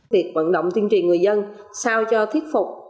việc vận động tuyên truyền người dân sao cho thiết phục